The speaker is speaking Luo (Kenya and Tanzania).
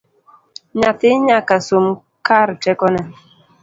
Nyathi nyaka som kar tekone